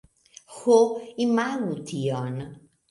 Ho, imagu tion!